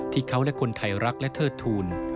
ที่เขาและคนไทยรักและเทิดทูล